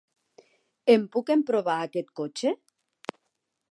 Em puc emprovar aquest cotxe?